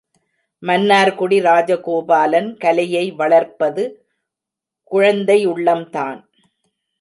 மன்னார்குடி ராஜகோபாலன் கலையை வளர்ப்பது குழந்தையுள்ளம்தான்.